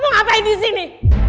kamu ngapain disini